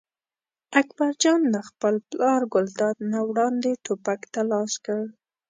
اکبر جان له خپل پلار ګلداد نه وړاندې ټوپک ته لاس کړ.